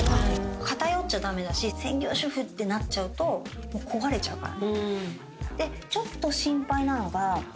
偏っちゃ駄目だし専業主婦ってなっちゃうと壊れちゃうから。